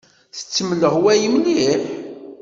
Tettemleɣway mliḥ.